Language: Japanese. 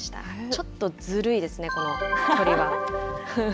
ちょっとずるいですね、この鳥は。